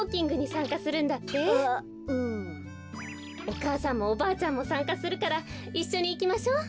お母さんもおばあちゃんもさんかするからいっしょにいきましょう。